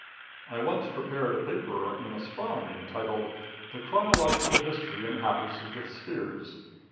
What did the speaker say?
I once prepared a paper in astronomy entitled "The Chronological History and Habits of the Spheres."